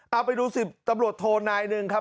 เอาไปดู๑๐ตำรวจโทนายหนึ่งครับ